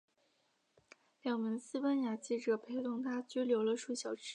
两名西班牙记者陪同她拘留了数小时。